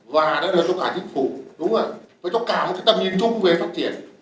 và đó là cho cả chính phủ đúng rồi phải cho cả một tầm nhìn chung về phát triển